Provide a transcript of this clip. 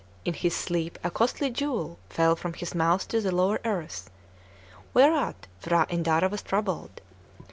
in his sleep a costly jewel fell from his mouth to the lower earth; whereat P'hra Indara was troubled.